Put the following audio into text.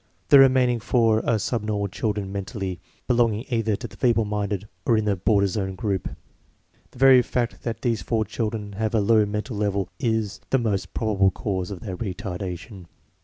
The remaining four are sub normal children mentally, belonging either in the feeble minded or in the border zone group. The very fact that these four children have a low mental level is the most prob able cause of their retardation."